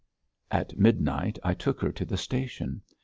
At midnight I took her to the station.